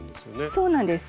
そうなんです。